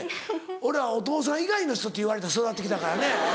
俺はお父さん以外の人って言われて育って来たからね。